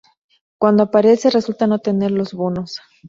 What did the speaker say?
Cuando aparece, resulta no tener los bonos.